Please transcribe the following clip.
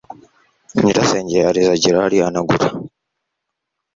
nyirasenge yarize ageraho arihanagura